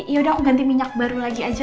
yaudah ganti minyak baru lagi aja